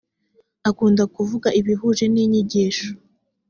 akunda kuvuga ibihuje n’ inyigisho.